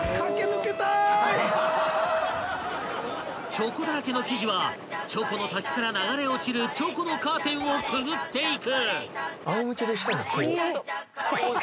［チョコだらけの生地はチョコの滝から流れ落ちるチョコのカーテンをくぐっていく］